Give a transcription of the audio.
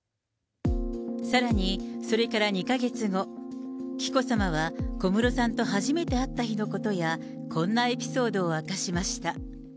さらに、それから２か月後、紀子さまは小室さんと初めて会った日のことや、こんなエピソードを明かしました。